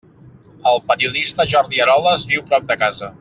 El periodista Jordi Eroles viu prop de casa.